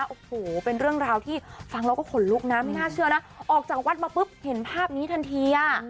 โอ้โหเป็นเรื่องราวที่ฟังแล้วก็ขนลุกนะไม่น่าเชื่อนะออกจากวัดมาปุ๊บเห็นภาพนี้ทันทีอ่ะ